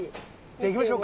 じゃいきましょうか。